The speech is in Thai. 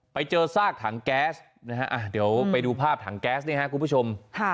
ไปเจอซากถังแก๊สนะฮะเดี๋ยวไปดูภาพถังแก๊สเนี่ยครับคุณผู้ชม